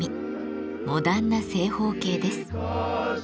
モダンな正方形です。